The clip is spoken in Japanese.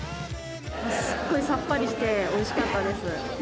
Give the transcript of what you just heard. すっごいさっぱりして、おいしかったです。